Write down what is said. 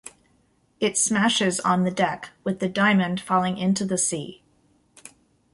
It smashes on the deck, with the diamond falling into the sea.